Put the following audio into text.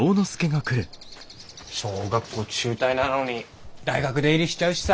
小学校中退なのに大学出入りしちゃうしさあ。